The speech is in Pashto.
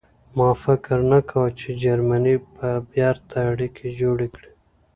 ما فکر نه کاوه چې جرمني به بېرته اړیکې جوړې کړي